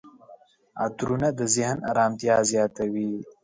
عطرونه د ذهن آرامتیا زیاتوي.